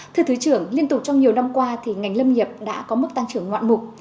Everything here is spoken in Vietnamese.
thưa thứ trưởng liên tục trong nhiều năm qua ngành lâm nghiệp đã có mức tăng trưởng ngoạn mục